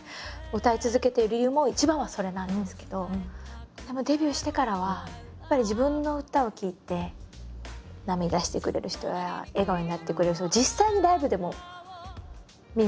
歌い続けている理由も一番はそれなんですけどデビューしてからはやっぱり自分の歌を聴いて涙してくれる人や笑顔になってくれる人